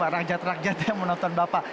rakyat rakyat yang menonton bapak